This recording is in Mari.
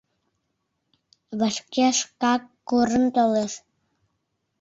Вашке шкак куржын толеш.